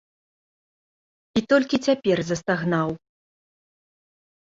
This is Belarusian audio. І толькі цяпер застагнаў.